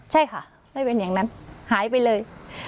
ใช่ค่ะไม่เป็นอย่างนั้นหายไปเลย